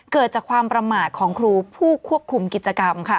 เกิดจากความประมาทของครูผู้ควบคุมกิจกรรมค่ะ